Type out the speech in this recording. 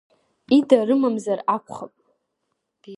Ида рымамзар акәхап…